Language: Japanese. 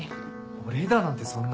お礼だなんてそんな。